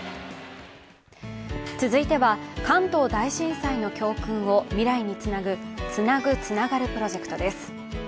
続いては関東大震災の教訓を未来につなぐ「つなぐ、つながるプロジェクト」です。